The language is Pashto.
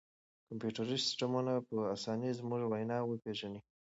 کمپیوټري سیسټمونه به په اسانۍ زموږ وینا وپېژني.